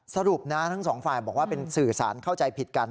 สรุปนะทั้ง๒ฝ่ายมีสื่อสารเข้าใจผิดกัน